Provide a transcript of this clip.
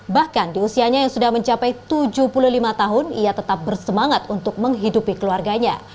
bahkan di usianya yang sudah mencapai tujuh puluh lima tahun ia tetap bersemangat untuk menghidupi keluarganya